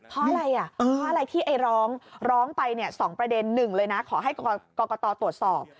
เพราะอะไรที่ไอ้ร้องร้องไปสองประเด็นนึงเลยนะขอให้กากกตตรวจสอบ